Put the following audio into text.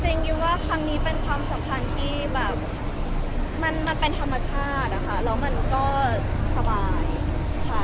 ยิมว่าครั้งนี้เป็นความสัมพันธ์ที่แบบมันเป็นธรรมชาติอะค่ะแล้วมันก็สบายค่ะ